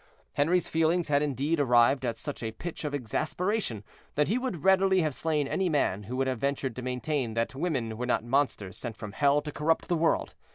Henri's feelings had indeed arrived at such a pitch of exasperation, that he would readily have slain any man who would have ventured to maintain that women were not monsters sent from hell to corrupt the world.